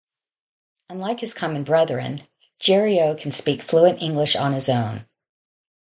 Unlike his common brethren, Jerry-O can speak fluent English on his own.